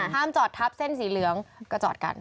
ห้ามจอดทับเส้นสีเหลืองก็จอดกัน